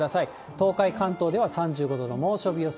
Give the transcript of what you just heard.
東海、関東では３５度の猛暑日予想。